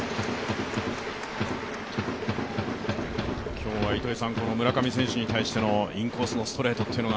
今日は村上選手に対してのインコースのストレートというのが。